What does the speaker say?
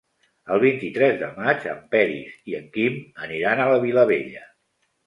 El vint-i-tres de maig en Peris i en Quim aniran a la Vilavella.